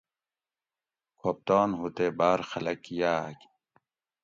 کھوپتان ھو تے باۤر خلک یاۤگ